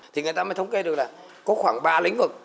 thì người ta mới thống kê được là có khoảng ba lĩnh vực